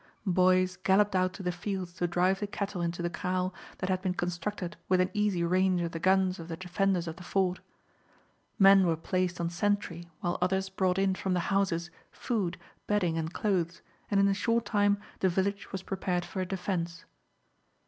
Boys galloped out to the fields to drive the cattle into the kraal that had been constructed within easy range of the guns of the defenders of the Fort. Men were placed on sentry, while others brought in from the houses food, bedding, and clothes, and in a short time the village was prepared for a defence.